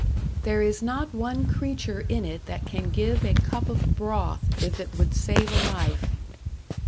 "There is not one creature in it that can give a cup of broth if it would save a life."